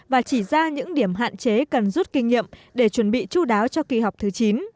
và chỉ ra những điểm hạn chế cần rút kinh nghiệm để chuẩn bị chú đáo cho kỳ họp thứ chín